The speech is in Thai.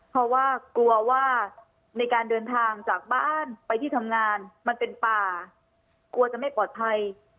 เพราะว่ากลัวว่าในการเดินทางจากบ้านไปที่ทำงานมันเป็นป่ากลัวจะไม่ปลอดภัย